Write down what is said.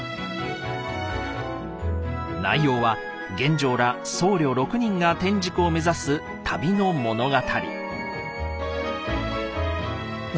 内容は玄奘ら僧侶６人が天竺を目指す旅の物語。